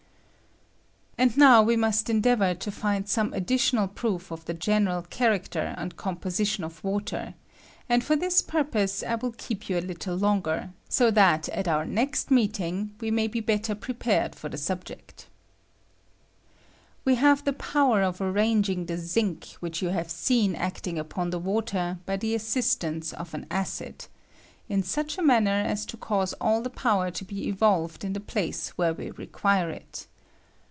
An d now we must endeavor to find some additional proof of the general character and composition of water, and for this purpose I will keep you a httle longer, so that at our nest meeting we may be better prepared for the subject. We have the power of arranging the zinc which you have seeu acting upon the water by the assistance of an acid, in such a manner as to cause all the power to be evolved in the place where we require it.